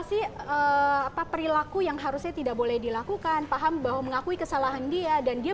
sih apa perilaku yang harusnya tidak boleh dilakukan paham bahwa mengakui kesalahan dia dan dia